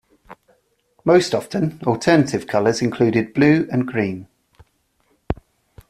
Most often, alternative colors included blue and green.